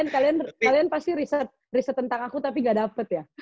kalian pasti riset tentang aku tapi gak dapet ya